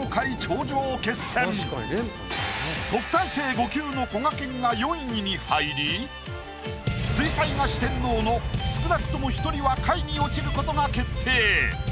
特待生５級のこがけんが４位に入り水彩画四天王の少なくとも１人は下位に落ちることが決定。